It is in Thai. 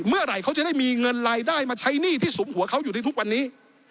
เมื่อไหร่เขาจะได้มีเงินรายได้มาใช้หนี้ที่สุมหัวเขาอยู่ในทุกวันนี้